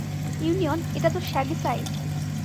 Union, এটাতো Shadyside!